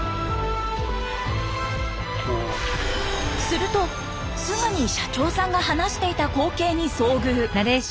するとすぐに社長さんが話していた光景に遭遇！